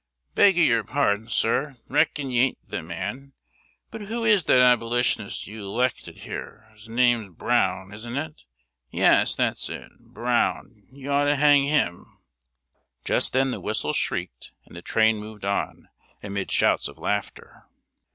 "Beg y'r padon sr. Reck'n you ain't the man. But who is that Abolitionist you 'lected here? 's name's Brown, 'sn't it? Yes, that's it. Brown; y'ought t'hang him!" Just then the whistle shrieked and the train moved on, amid shouts of laughter.